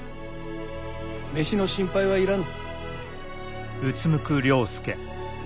飯の心配はいらぬ。